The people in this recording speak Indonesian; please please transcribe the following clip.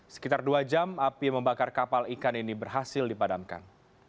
sekitar dua jam api membakar kapal ikan ini berhasil dipadamkan